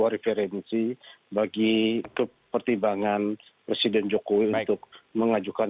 referensi bagi pertimbangan presiden jokowi untuk mengajukan